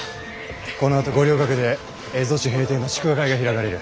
このあと五稜郭で蝦夷地平定の祝賀会が開かれる。